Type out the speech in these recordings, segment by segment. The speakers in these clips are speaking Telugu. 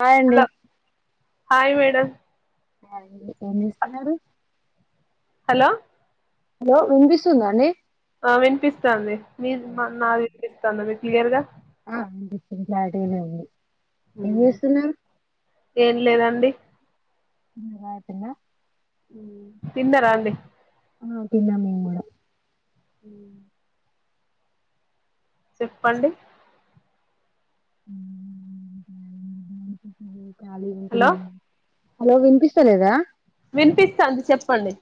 హై అండి హలో హాయ్ మేడమ్ హాయ్ అండి ఎం చేస్తున్నారు హలో హలో వినియస్తుందా అండి అ వినిపిస్తంది మీర్ నా [unintelligible] క్లియర్ గా ఆ అండి ఇది క్లారిటీగానే ఉంది ఏం మ్ చేస్తున్నారు ఏం లేదండి నిరయపిన్న తిన్నర అండి ఆ తిన్నాం మేం కూడా మ్ చెప్పండి ఖాళీగా హలో ఉంటున్న హలో వినిపిస్తలేదా వినిపిస్త అంది చెప్పండి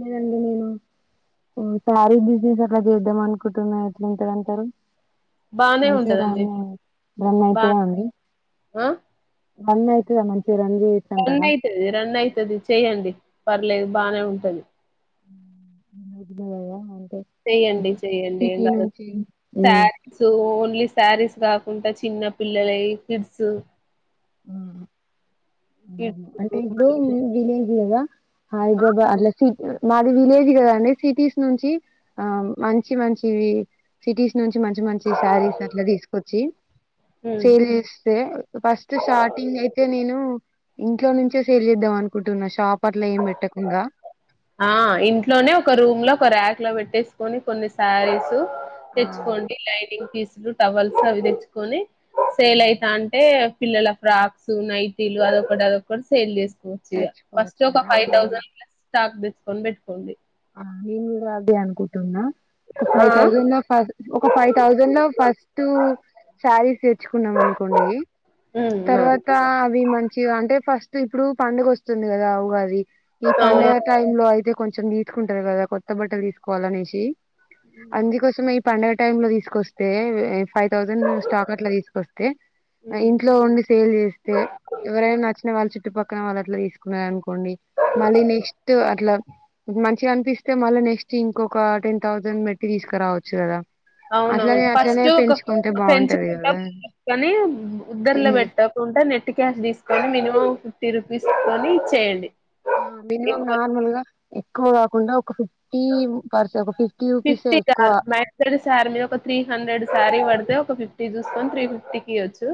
లేదండి నేను సారీ బిజినెస్ అట్లా చేద్దాం అనుకుంటున్నా అట్లా ఇంతదంటారు బానే మనకే రా ఉంటదండి బమ బా అయితుంద అండి ఆ మమ్ అవుయితుద మంచి రన్ అయితుది రన్ అయితుది చె్యడి పర్లేదు బానే ఉంటది [inaudible] చెయ్యడి చెయ్యడి ఏం సిటీ కా నుంచి శారీస్ ఓన్లీ శారీస్ కాకుండా చిన్న పిల్లలై కిడ్స్ మ్ అంటే కిడ్స్ ఇప్పుడు దిని కద హైదరాబాద్ అట్లా మాది విలేజ్ కదా అండి సిటీస్ నుంచి ఆ మంచి మంచి వి సిటీస్ నుంచి మంచి మంచి శారీస్ అట్లా తీసుకొచ్చి సేల్ చేస్తే ఫస్ట్ స్టార్టింగ్ అయితే నేను ఇంట్లో నుంచే సేల్ చేద్దాం అనుకుంటున్నా షాప్ అట్లా ఏం పెట్టకుండా ఆ ఇంట్లోనే ఒక రూమ్ లో ఒక ర్యాక్ లో పెట్టేసుకొని కొన్ని శారీస్ ఆ తెచ్చకోండి లైనింగ్ తీస్ టవల్స్ అవి తెచ్చుకొని సేల్ అవును అయితా అంటే పిల్లల ఫ్రాక్స్ నైటీలు అదొకటి అదొకటి సేల్ చేస్త్ ఫస్ట్ తెచ్చుకోవచ్చు ఒక కదా ఫైవ్ థౌసండ్ ప్లస్ డిస్కౌంట్ పెట్టుకోండి ఆ నేను కూడా అదే అనుకుంటున్నా ఒక ఆ ఫైవ్ థౌజండ్ లో ఫస్ ఒక ఫైవ్ థౌజండ్ లో ఫస్ట్ శారీస్ తెచ్చుకున్నాం అనుకోండి ఉమ్ తర్వాత అవి మంచి అంటే ఫస్ట్ ఇప్పుడు పండుగ వస్తుంది కదా ఉగాది ఈ అవును పండెగ టైమ్ లో ఐతే కొంచెం నీ కుంటారు కదా కొత్త బట్టలు తీసుకోవాల అనేసి అందుకోసమే పండగ టైమ్ లో తీసుకొస్తే ఫైవ్ థౌసండ్ స్టాక్ అట్లా తీసుకొస్ తె ఉమ్, ఇంట్లో ఉండి సేల్ చేస్తే ఎవరైనా వచ్చిన వాళ్ళు చు చుట్టు పక్కన వాళ్ళ అట్ల తీసుకున్నారనుకో కోండి మళ్ళీ నెస్ట్ అట్లా మంచిగా అనిపిస్తే మళ్ళీ నెస్ట్ ఇంకొక టెన్ థౌజండ్ పెట్టి తీసుకురావచ్చు కదా అవునవును అట్లనే అట్లనే ఫస్ట్ ఒక పెంచుకుంటే బాగుంటది కదా పెంచకుని ఉద్దరిలో ఉమ్ పెట్టకుండా నెట్ టి క్యాష్ తీసుకొని మినిమం ఫిఫ్టీ రూపీస్కొని చేయండి మనిమమ్ నార్మల్గా ఎక్కువ కాకుండా ఒక ఫిఫ్టీ పర్స ఒక ఫిఫ్టీ రూపీసే ఫిఫ్టీ కా ఎక్కువ మై హెడ్ సార్ మీద ఒక త్రీ హండ్రెడ్ సార్ ఇవ్వ ఒక ఫిఫ్టీ చూసుకని త్రీ ఫిఫ్టీకియచ్చు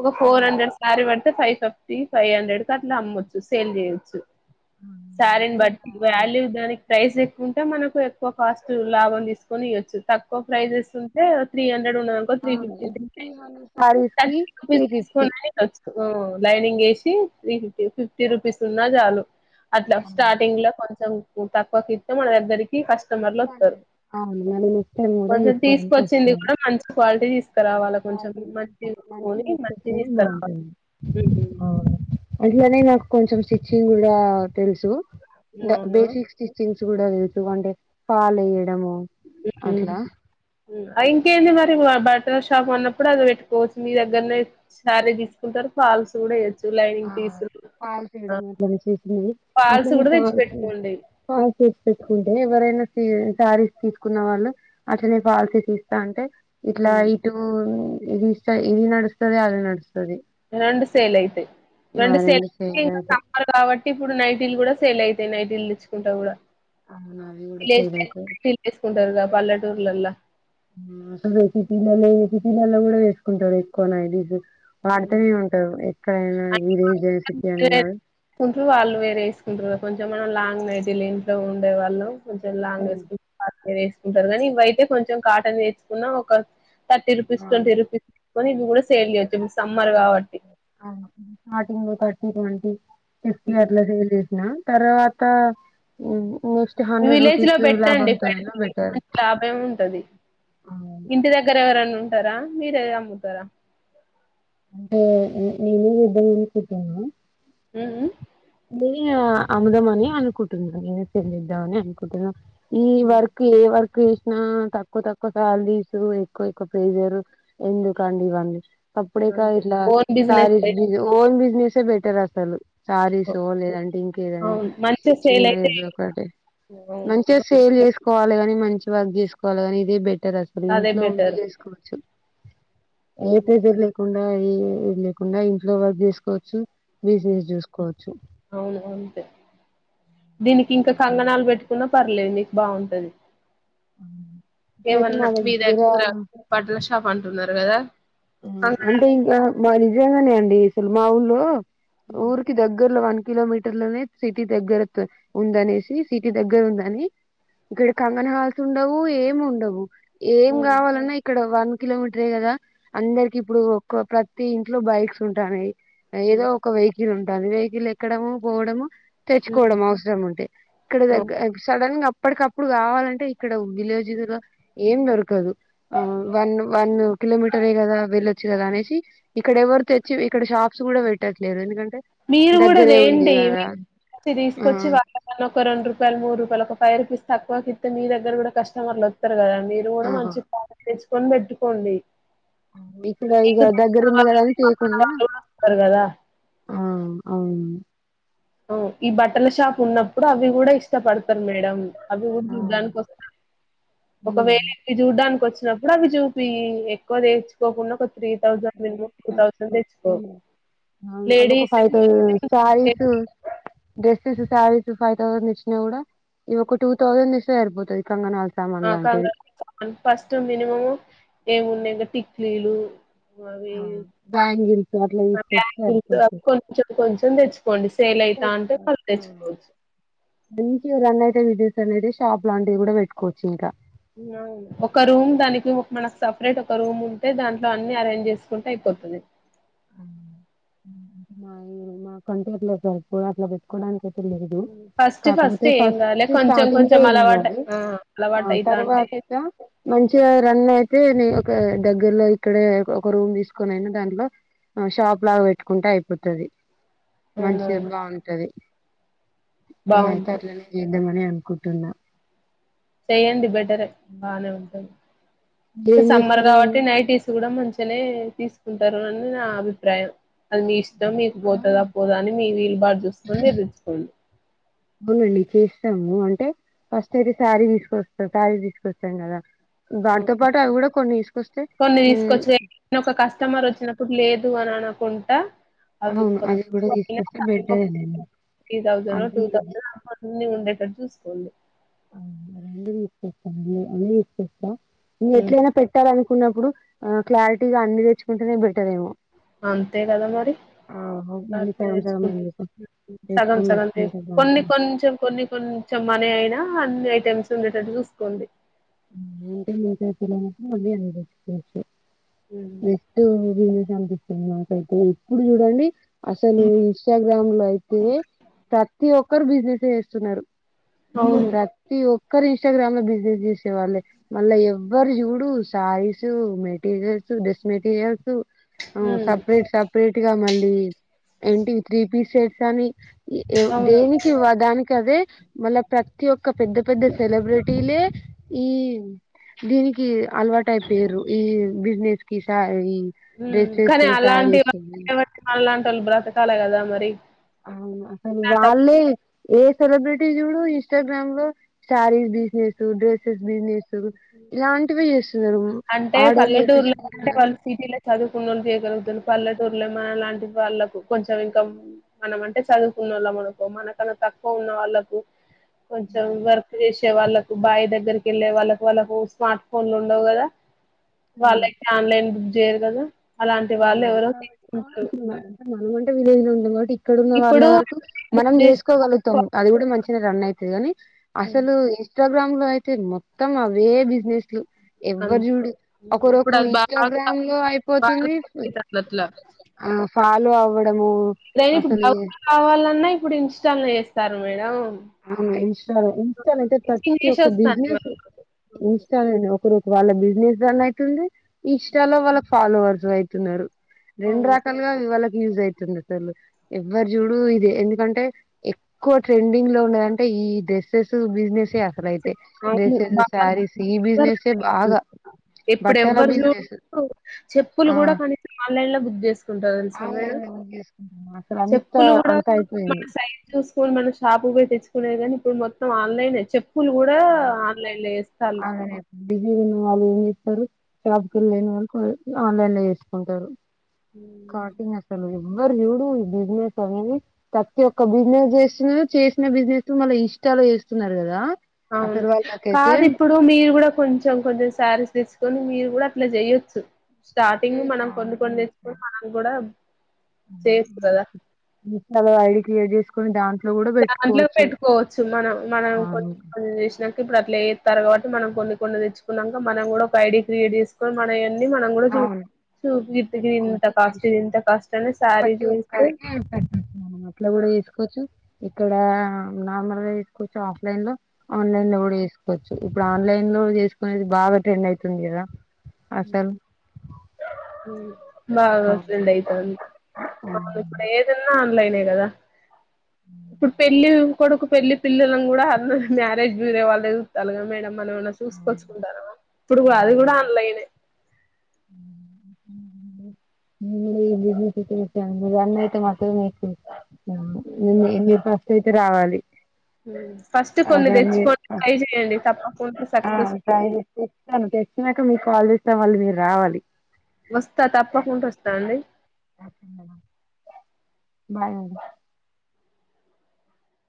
ఒక ఫోర్ హండ్రెడ్ సారి పడుంది అ ఫైవ్ ఫిఫ్టీ ఫైవ్ హండ్రెడ్ క అలా అమ్ొచ్చు సేల్ చేయొచ్చు సారేని బట్టి అలి దానికి ప్రైస్ ఎక్కువ ఉంటే మనకు ఎక్కువ కాస్ట్ లాభం తీసుకొని ఇవ్వచ్చు తక్కువ ప్రైజెస్ ఉంటే ర అడి ఇక్కడ ఉన్నది అనుకో త్రి అవును ఫిఫ్టీత్రి ఇప్పుడు త్రీ అయ్యింది హండ్రెడ్ సారీస్ కి తర్టీ త్రీ ఫిఫ్టీ తీసుకొని కలుసుకొ లైనింగ్ ఏసి త్రీ ఫిఫ్టీ ఫిఫ్టీ రూపీస్ ఉన్నా చాలు అట్లా స్టాటింగ్ లో కొంచెం నువ్వు తక్కువ ఇస్తే మన దగ్గరికి ఈ కస్టమర్ లో హ్ అవును మళ్ళీ నెక్స్ట్ టైమ్ కూడా తీసుకోవడానికి తీసుకొచ్చింది వస్తారు కూడా మంచి క్వాలిటీ తీసుకురావాలా కొంచెం క్వాలిటీ మనీ తీసుకొని మంచివి మంచి తీసుకొస్తేనే తీసుకురావాల అట్లానే నాకు కొంచెం స్టిచ్చింగ్ కూడా తెలుసు ద అవునా బేసిక్స్ స్టిచ్చింగ్స్ కూడా వెళ్తూవండి పలుయడము ఉమ్. అట్లా ఇంకేంది మరి బాటల్ షాప్ అన్నప్పుడు అది పెట్టుకోవచ్చు మీ దగ్గరనే శారీ తీసుకుంట తారు ఫాల్స్ కూడా వయచ్చు ఆ పాలు చేయడం అని చేసింది ఫాల్స్ అట్లనే కూడా పా తెచ్చి పెట్టుకోండి పాలు చేసి పెట్టుకుంటే ఎవరైనా శారీస్ తీసుకున్న వాళ్ళు అట్లనే ఫాల్సీ తీ ఇస్తా అంటే ఇట్లా ఉమ్. ఇటు ఇది ఇష్ట ఇది నడుస్తుద అది నడుస్తుంది రండు సేల్ ఆయితే ఆ రెండు సల్ ఫెయిల్ అయితాయి సారుగా బట్టి ఇప్పుడు నైటీ ఇల్లు కూడా సేల్ అయితాయి నైటి ఇల్లు తెచ్చుకుంటా కూడా అవును అవి కూడా ఫెయిల్ అయితాయి ఫీల్సుకుంటారు పల్లెటూర్లలా అసలు వేసి పలల్లో వేసి పలల్లో కూడా వేసుకుంటాారు ఎక్కువ నైటీస్ వా అడుతనే ఉంటారు ఎక్కడైనా వరే జన సిటీ అని కాదు కుంట్రు వాళ్ళు వేరే వేసుకుంటారు కొంచెం మనం లాంగ్ నైటీలు ఇంట్లో ఉండే వాళ్ళు లాంగస్ మీరు వేసుకుంటారు కాగానీ ఇవయితే కొంచెం కాటన్ వేచుకున్న ఒక థర్టీ రూపీస్ ట్వంటీ రూపీస్ పోనీ ఇది కూడా సెళ్లిచెస్ సరే సరే అవును ఇంకాయేంటి యేటి ఉమ్. ఆట్లా డీల్ తరవాత హుం విలేజ్ లో పెట్టండి అయినా పెడితే బెటర్ మంచి లాభం ఉంటది అవును. ఇంటి దగ్గర ఎవరను తారా మీరే అమ్ముతారా అంటే నేను ఎద్ద ఉకుతున్నా హమ్ హమ్ నే అమ్ముదంమని అనుకుంటున్నా నేనే చెల్లిద్దామ అని అనుకుంటున్నా ఈ వర్క్ ఏ వర్క్ కృష్ణ తక్కువ తక్కువ శాలరీస్ ఎక్కువ ఎక్కువ పేసారు ఎందుకండి ఇవన్నీ ఆప్పుడే కా అంతే ఇలా ఓన్ స బిజినెస్ అయితే ఓన్ బిజినెస్ బెటర్ అసలు సారీసో లేదంటే అవును మంచిగా సేల్ స్టిచ్చింగో అయితే ఏదోకటి అవును మంచిగా సేల్ చేసుకోవాలి కాని మంచి వర్కచేసుకోవాలని ఇది బె అంటేది అసలు అదే ఇంట్లో ఉండి బెటర్ చేసుకోవచ్చు ఏతేజ కుండా లేకుండా ఇంట్లో వర్క్ చేసుకోవచ్చు ఉ వసిసి చూసుకోవచ్చు అవును అంతే దీనికి ఇంకా కంగణాలు పెట్టుకున్నా పర్లేదుం బాగుంటది అయితే మా ఏవన్నా మీద దగ్గర పట్ల షాప న్నారు మీదా అంటే ఇంకా మ గానే అండి సుల్ మా ఊలు హ్మ్. ఊరికి దగ్గర్లో వనికి కిలోమీటర్ లోనే సిటీ దగ్గర ఉందనేసి సిటీ దగ్గర ఉందని ఇక్కడ కంగన హాల్స్ ఉండవు ఏమి ఉండవు ఏం హ్మ్. కావాలన్నా ఇక్కడ వా కిలోమీటర్ేగదా అందరికి ఇప్పుడు ఒక్క ప్రతి ఇంట్లో బైక్స్ ఉంటాయి ఏదో హ్మ్. ఒక వై వెకిల్ ఉంటుంది వెహికల్ ఎక్కడము పోవడము హ్మ్. తెచ్చుకోవడం అవసరం ఉంటే ఇక్కడ ఓకే. దగ్గర సడన్ గా అప్పటికప్పుడు కావాలంటే ఇక్కడ విలేజ్ లో ఏం దొరకదు వన్ వన్ కిలోమీటర్ ే కదా వెళ్ళొచ్చు కదా అనేసి ఇక్కడ ఎవరి తెచ్చి ఇక్కడ షాప్స్ కూడా పెట్టట్లేదు ఎందుకంటే మీరు కూడాద దగ్గరే ఉంది కదా ఏంటిడి ఆ తీసుకొచ్చి వాతావరణం ఒక రెండు రూపాయ మూడు రూపాయలు ఒక ఫైవ రూస్ తక్కువ కిే మీ దగ్గర కూడా కటమర్లు వస్తారుదడి మీరు కూడా ఆ మంచి ప కొనిబెట్టుకోండి ఇక్కడ ఇక దగ్గరు ఉంది కదా అది మీ పక్కన చేయకుండా వాళ్ళు కూడా వస్తారు కదా ఆ అవును ఈ బట్టల షాప్ ఉన్నప్పుడు అవి కూడా ఇష్టపడతారు మేడం అభ ఆ ఉనికి కోస్తా ఒక వేలి ఇ చూ దానికి వచ్చినప్పుడు అవి చూపి ఎక్కువ తెేర్చుకోకుండా కొ అకు లేడీస్ ఫైద సార స డెస్స్ సారి సఫయిత నిీచిన కూడా ఇవకు టటుూ తౌసండ్ ఇష్ట ఇర్బోు కంగణాలు అకా ఫస్ట్ మినిమ ఏమున్నా ఇ టిక్లీలు అవి బ్యాంగిల్స్ అట్లా అ తీసుకొస్తే అవి సరిపోతది కొంచెం కొంచెం తెచ్చుకోండి సేల్ అయితా అంటే వాళ్ళు తెచ్చుకోవచ్చు మంచిగా రన్ అయితే విజస్ అయితే షాప్ లాంటివి కూడా పెట్టుకోవచ్చు ఇంకా వు ఒక రూమ్ దానికి మనకు సపరేట్ ఒక రూమ్ ఉంటే దాంట్లో అన్ని అరేంజ్ చేసుకుంటే అయిపోతది మా మా కంటే ఎట్లే సార్ప్పు అట్లా పెట్టుకోవడానికి అయితే లేదు ఫస్ట్ కాకపోతే ఫస్ట్ ఏం కాలే ఫస్ట్ కొంచెం స్టార్టింగ్ లో కొంచెం ఏం అలవాటు కాదు అలవాటఅయితా అంటే రన్ని అయితే న ఒక దగ్గరలో ఇక్కడే ఒక రూమ్ తీసుకొనిను దాంట్లో షాప్ లాగా పెట్టుకుంటే అయిపోతది మంచి అవునవును బాగుంటది ఏం బాగుంటది అయితర్లే న అంతే మని అనుకుంటున్నా చెయ్యండి బెటరే బానే ఉంటంది ఏం సమ్మర్ చేస్తురండి కాబట్టి నైటీస్ కూడా మంచిగానే తీసుకుంటారు అని నా అభిప్రాయం అది మీ ఇష్టం మీకు పోతదా పోదా అని మీ వీలు బాటు చూసుకని మీరీచ్చుకోండి అవునండి చేస్తాము అంటే ఫస్ట్ అయితే శారీ తీసుకొస్తాం శారీ తీసుకొస్తాం కదా దాంతో పాటు అవి కూడా కొన్ని తీసుకొస్తే కొన్ని తీసుకొచ్చి నానా కుంట అవి అవును కొత్త కూడా తీసుకొస్తే [unintelligible] బెటరేనండి త్రీ థౌసండ్ టూ అది థౌసండ్ ఉండ క చూసుకోండి [unintelligible] ఎట్లయినా పెట్టాలని కున్నప్పుడు ఆ క్లారిటీగా అన్ని తెచ్చుకుంటేనే బే అంతే కదా మరి ఆ మళ్ళీ సగం సగం నేర్చుకుంట ఎందుకు సగం తెచ్చుకొని సగం పెట్టుకుంటే కొన్ని బాగుంటుంది కొంచెం కొన్ని కొంచెం మనీ అయినా అన్ని అయి [unintelligible] ఉండేటట్టు చూసుకోండి [unintelligible] హ్మ్ జస్ట్ ఇది ఇది కనిపిస్తుంది నాకైతే ఇప్పుడు చూడండి అసలు ఇన్స్టాగ్రామ్ లో అయితే ప్రతి ఒక్క ఒక్కరు బిజినెస్ చేస్తున్నారు అవును ప్రతి ఒక్క ఒక్కరు ఇన్స్టాగ్రామ్ లో బిజినెస్ చేసే వాళ్ళే మళ్ళా ఎవ్వరు చూడు సారీస్ మెటీరియల్ డెస్ మేటీరీయల్సు సపరేట్ సపరేట్ గా మళ్ళీ అవి ఏంటి త్రీ పీసెస్ అని ఉమ్ దేనికివ దానికి కదే మళ్ల ప్రతి ఒక్క ఒక పెద్ద పెద్ద సెలబ్రిటీలే ఈ దీనికి అలవాటైపోయిరు ఈ బిజినెస్ కిస ఉమ్ కానీ అలాంటి వా [unintelligible] అలాంటి వాళ్ళు బతకల కదా మరి అవునా అసలు ఇలాంటప్పుడు వాళ్ళే ఏ సెలబ్రిటీ చూడు ఇన్స్టాగ్రామ్ లో స్టారీస్ బిజినెస్ డ్రెసెస్ బిజినెస్ ఇలాంటివి చేస్తున్నారు అంటే ఆర్డర్ పల్లెటూరులో అంటే చేపించుకుంటున్నారు వాళ్ళు సిటీలో చదువుకున్న వాళ్ళు చేయగలుగుతరు పల్లెటూర్లే మన లాంటి వాళ్ళకు కొంచెం ఇంకా మనం అంటే చదువుకున్న వాళ్ళం అనుకో మనకన్నా తక్కువ ఉన్న వాళ్ళకు కొంచెం వర్క్ చేసి వచ్చే వాళ్లకు బాయి దగ్గరకి వెళ్ళే వాళ్ళకి వాళ్ళకు స్మార్ట్ ఫోన్లు ఉండవు కదా వాళ్ళకి ఆన్లైన్ జేయారు కదా అలాంటి వాళ్ళు ఉమ్. ఎవరో తీసుకుంటారు ఉమ్, ఉమ్ ఉ మటి [unintelligible] ఇక్కడున్న వాళ్ళ ఇప్పుడు వరకు మనం బుక్ చేసిన చేసుకోగలుగుతాం అది కూడా మంచిగా రన్ అవుతుది కాని ఉమ్, అసలు ఇన్స్టాగ్రామ్ లో అయితే మొత్తం అవే బిజినెస్లు అన్- ఎవరు చూడు ఉమ్, ఇప్పుడు ఒకరోకు ఇన్స్టాగ్రామ్ లో అయిపోతుంది [unintelligible] చాలల చాలు అవడ నేను ఇప్పుడు డౌలు కావాలన్నాయి ఇప్పుడు ఇన్స్టా లో వస్తారు మేడం ఇన్స్ట ఇన్స్ట అయితే టీచింగ్ ప్రతి చేసి ఒక్క వస్తాను బిజినెస్ అవును ఇన్స్టాల ఒకరు వాళ్ళ బిజినెస్ రన్ అయితుంది ఇంస్టాలో వాళ్ళ ఫాలోవర్ అయితున్నాడు రెండు అవును రకాలుగావాళ యూజ అయితుంది అసలు ఎవ్వరి చూడు ఇదే ఎందుకంటే ఎక్కువ ట్రెండ్ దీనిలో ఉన్నంటే ఈ డ్రెస్సెస్ బిజినెస్ స అసలయితే అవును డ్రెస్సెస్ సారీస్ ఈ బిజినెస్ే బాగా బాగా ఇప్పుడు బట్టల ఎవ్వరు బిజినెస్ చూ చెప్పులు ఆ కూడా కనీసం ఆన్లైన్ లో జస్ ంట తెలుసా మేడం ఆన్లైన్ లో బుక్ చేసుకుంటున్నా అసలు అంత చెప్పులు కూడా అంత మన అయిపోయింది సైజ్ చూసుకొని మన షాప్ పోయి తెచ్చుకునే కానీ ఇప్పుడు మొత్తం ఆన్లైనే చెప్ స్కూల్ కూడా ఆన్లైన్ లో ఇేస్తాల్లు బిజీ వున్న వాళ్ళు ఏం చేస్తారు షాప్కి వెళ్ళ లేని వాళ్ళు ఆన్లైన్ లో వసుకుంటారు కాటింగ్ అసలు ఎవ్వరూ చూడు ఈ బిజినెస్ అనే ప్రతి ఒక్క బిజినెస్ చేస్తున్నారు చేసిన బిజినెస్ మళ్ళా ఇష్టాలు చేస్తున్నారు కదా అసలు అవును వాళ్ళకైతే కాదు ఇప్పుడు మీరు కూడా కొంచెం కొంచెం సారీ తెచ్చుకొని మీరు కూడా అట్లాచేయొచ్చు మనం కూడా చేయొచ్చు కదా అలా ఐడి క్రియేట్ చేసి కొని దాన్ దాంట్లో పెట్టుకోవచ్చు మనం మనం కొన్ని అవును కొన్ని చేసినా ఇప్పుడు అట్లా ఏత్తారు కాబట్టి మనం కొన్ని కొన్ని తెచ్చుకున్నాంక మనం కూడా ఒక ఐడి క్రియేట్ చేసుకొని మనయన్ని ఇంత పెట్టుకోవచ్చు కాస్ట్ ఇది ఇంత వసుకోవచ్చు కాస్ట్ అని శారీ ప్రతి చూయిస్తే ఒక్కరికి పె మన అట్లా కూడా చేసుకోవచ్చు ఇక్కడ నార్మల్గా తీసుకోచ్చు ఆఫ్లైన్ లో ఆన్లైన్ లో గూడా జేస్ కోచ్చు ఇప్పుడు ఆన్లైన్ లో చేసుకునేది బాగా ట్రెండ్ అయితుంది కదా అసల్ అవు బాగా ట్రెండ్ అయితాంది ఇక్కడ ఏదన్నా లైనే గదా ఇప్పుడు పెళ్ళి కొడుకు పెళ్లి పిల్లలను గూడా అందరు మ్యారేజ్ బ్యూరో వాళ్ళె చూత్తాల్లుగా మేడం మనం ఏమన్నా చూసుకొచ్చుకుంటన్నామా ఇప్పుడు కూడా అది గూడా ఆన్లైనే నేను ఈ బిజినెస్ అయితే పెట్టాను [inaudible] ఏందీ పో తేతే రావాలి ఫస్ట్ కొన్ని అలాగే తెచ్చుకొని ట్రై చేయండి తప్పకుండా సక్సెస్ ట్రై అ చేసి తెస్తాను తెచ్చినాక మీకు కాల్ జేస్తా మళ్ళీ మీరు రావాలి వస్తా తప్పకుండ వస్తా అండి ఓకే మేడం, బాయ్